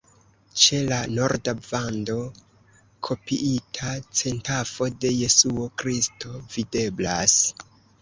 Ĉe la norda vando kopiita centafo de Jesuo Kristo videblas.